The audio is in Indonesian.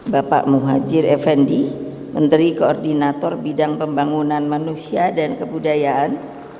bapak muhajir effendi menteri koordinator bidang pembangunan manusia dan kebudayaan